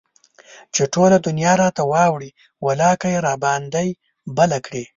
چې ټوله دنيا راته واوړي ولاکه يي راباندى بله کړي